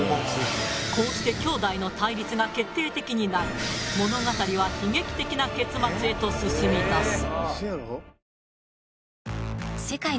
こうして兄弟の対立が決定的になり物語は悲劇的な結末へと進みだす。